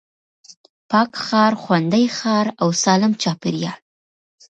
پاک ښار، خوندي ښار او سالم چاپېريال